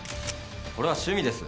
これは趣味です